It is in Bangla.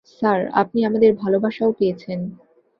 স্যার, আপনি আমাদের ভালবাসাও পেয়েছেন।